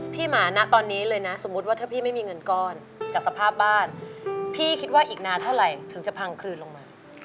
หมานะตอนนี้เลยนะสมมุติว่าถ้าพี่ไม่มีเงินก้อนจากสภาพบ้านพี่คิดว่าอีกนานเท่าไหร่ถึงจะพังคืนลงมา